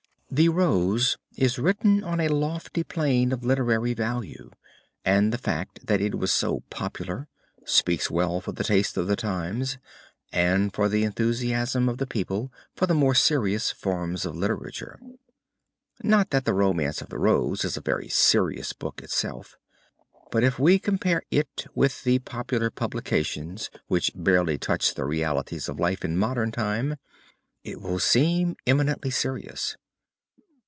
The Rose is written on a lofty plane of literary value, and the fact that it was so popular, speaks well for the taste of the times and for the enthusiasm of the people for the more serious forms of literature. Not that the Romance of the Rose is a very serious book itself, but if we compare it with the popular publications which barely touch the realities of life in the modern time, it will seem eminently serious.